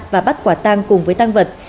và bắt quả tăng cùng với tăng vật